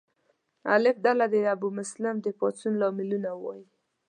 الف ډله دې د ابومسلم د پاڅون لاملونه ووایي.